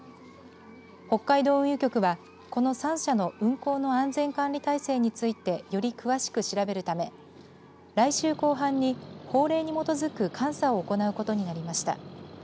北海道運輸局はこの３社の運航の安全管理体制についてより詳しく調べるため来週後半に法令に基づく監査を行うことになりました。